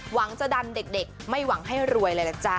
หวังจะดันเด็กไม่หวังให้รวยเลยล่ะจ๊ะ